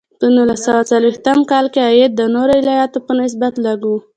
په نولس سوه څلویښت کال کې عاید د نورو ایالتونو په نسبت لږ و.